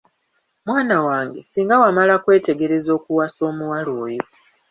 Mwana wange, singa wamala kwetegereza okuwasa omuwala oyo.